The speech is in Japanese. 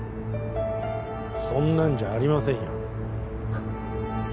そんなんじゃありませんよ